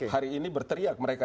hari ini berteriak mereka